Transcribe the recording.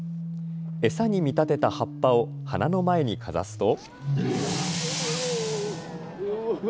餌に見立てた葉っぱを鼻の前にかざすと。